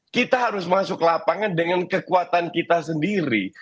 kita harus masuk lapangan dengan kekuatan kita sendiri